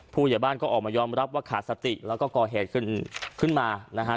ผู้ใหญ่บ้านก็ออกมายอมรับว่าขาดสติแล้วก็ก่อเหตุขึ้นขึ้นมานะฮะ